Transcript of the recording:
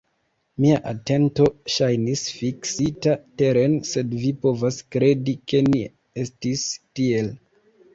Mia atento ŝajnis fiksita teren, sed vi povas kredi, ke ne estis tiel.